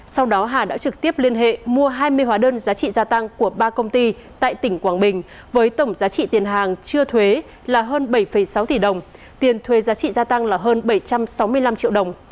sau đó hà đã trực tiếp liên hệ mua hai mươi hóa đơn giá trị gia tăng của ba công ty tại tỉnh quảng bình với tổng giá trị tiền hàng chưa thuế là hơn bảy sáu tỷ đồng tiền thuê giá trị gia tăng là hơn bảy trăm sáu mươi năm triệu đồng